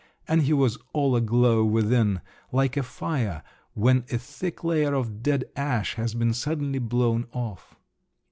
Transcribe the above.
and he was all aglow within, like a fire when a thick layer of dead ash has been suddenly blown off.